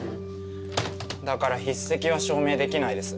だから筆跡は証明できないです。